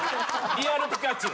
リアルピカチュウ！